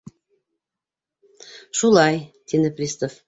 — Шулай, — тине пристав.